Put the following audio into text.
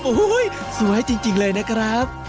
โอ้โหสวยจริงเลยนะครับ